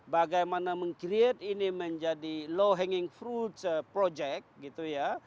bagaimana meng create ini menjadi low hanging fruit a project gitu ya